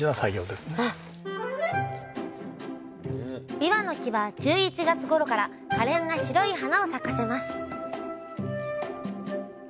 びわの木は１１月ごろからかれんな白い花を咲かせます